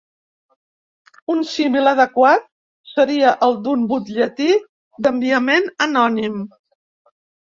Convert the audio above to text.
Un símil adequat seria el d'un butlletí d'enviament anònim.